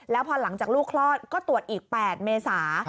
แล้วพอหลังจากลูกคลอดก็ตรวจอีก๘เมษา